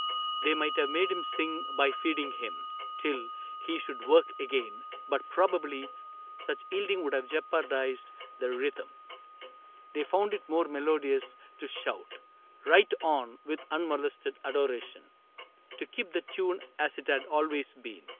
They might have made him sing by feeding him Till he should work again, but probably Such yielding would have jeopardized the rhythm ; They found it more melodious to shout Right on, with unmolested adoration, To keep the tune as it had always been.